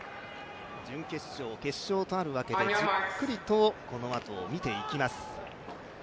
準決勝、決勝とあるわけでじっくりとこのあと見ていきます。